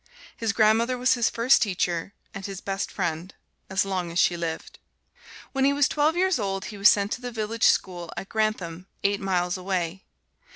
His grandmother was his first teacher and his best friend as long as she lived. When he was twelve years old he was sent to the village school at Grantham, eight miles away.